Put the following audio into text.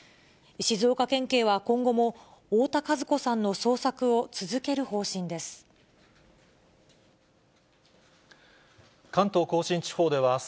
静岡県警は今後も、太田和子さんの捜索を続ける方針です。